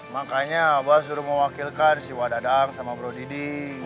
makanya abah suruh mewakilkan si wadadang sama bro didi